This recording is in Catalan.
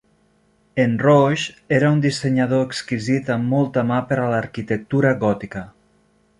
En Roche era un dissenyador exquisit amb molta mà per a l'arquitectura gòtica.